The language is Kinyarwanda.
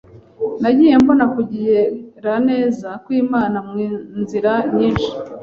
Nagiye mbona kugiraneza kw’Imana mu nzira nyinshi,